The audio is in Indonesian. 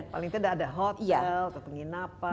paling tidak ada hotel atau penginapan